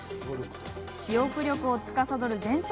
記憶力をつかさどる前頭